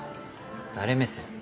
誰目線？